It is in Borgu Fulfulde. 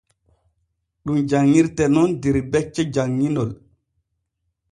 Ɗum gollirte nun der becce janŋinol f́́́́́́́.